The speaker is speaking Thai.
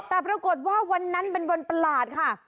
แต่ปรากฏว่าวันนั้นเป็นวันประหลาดค่ะ